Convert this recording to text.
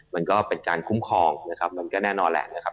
มันก็เป็นการคุ้มครองนะครับมันก็แน่นอนแหละนะครับ